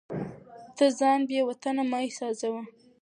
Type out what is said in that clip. ته ځان بې وطنه مه احساسوه.